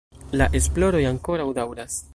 La esploroj ankoraŭ daŭras.